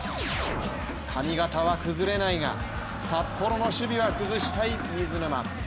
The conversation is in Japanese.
髪形は崩れないが、札幌の守備は崩したい水沼。